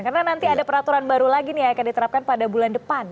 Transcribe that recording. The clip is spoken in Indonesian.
karena nanti ada peraturan baru lagi nih yang akan diterapkan pada bulan depan